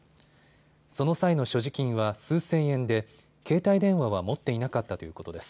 その際の所持金は数千円で携帯電話は持っていなかったということです。